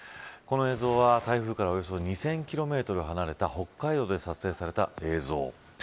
この映像は台風からおよそ２０００キロ離れた北海道で撮影された映像。